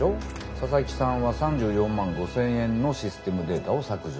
佐々木さんは３４万５，０００円のシステムデータを削除したのに。